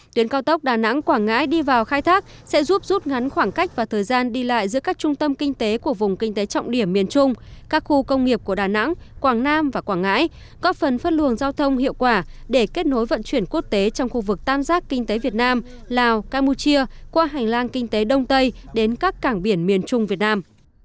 tuyến cao tốc đà nẵng quảng ngãi đi vào khai thác sẽ giúp rút ngắn khoảng cách và thời gian đi lại giữa các trung tâm kinh tế của vùng kinh tế trọng điểm miền trung các khu công nghiệp của đà nẵng quảng nam và quảng ngãi góp phần phất luồng giao thông hiệu quả để kết nối vận chuyển quốc tế trong khu vực tam giác kinh tế việt nam lào campuchia qua hành lang kinh tế đông tây đến các cảng biển miền trung việt nam